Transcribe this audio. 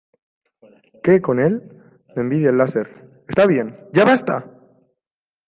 ¿ Qué con él? Le envidia el láser. ¡ está bien, ya basta!